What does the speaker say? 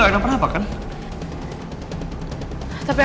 apa yang membuat aku jatuh